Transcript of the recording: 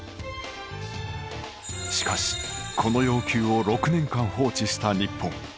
しかし、この要求を６年間放置した日本。